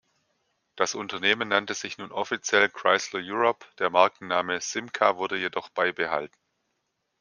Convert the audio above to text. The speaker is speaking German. Das Unternehmen nannte sich nun offiziell "Chrysler Europe," der Markenname Simca wurde jedoch beibehalten.